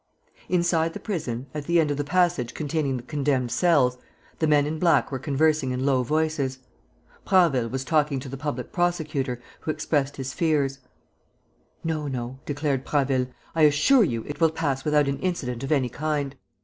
Inside the prison, at the end of the passage containing the condemned cells, the men in black were conversing in low voices. Prasville was talking to the public prosecutor, who expressed his fears: "No, no," declared Prasville, "I assure you, it will pass without an incident of any kind."